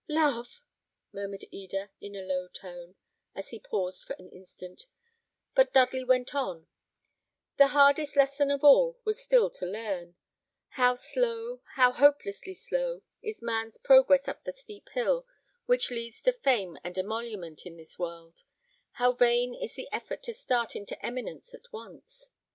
"Love!" murmured Eda, in a low tone, as he paused for an instant; but Dudley went on: "The hardest lesson of all was still to learn: how slow, how hopelessly slow, is man's progress up the steep hill which leads to fame and emolument in this world: how vain is the effort to start into eminence at once!